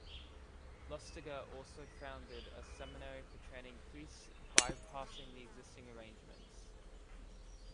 Lustiger also founded a new seminary for training priests, by-passing the existing arrangements.